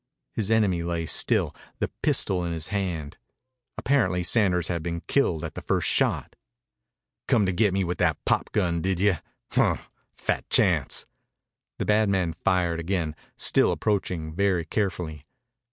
His enemy lay still, the pistol in his hand. Apparently Sanders had been killed at the first shot. "Come to git me with that popgun, did you? Hmp! Fat chance." The bad man fired again, still approaching very carefully.